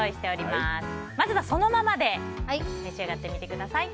まずは、そのままで召し上がってみてください。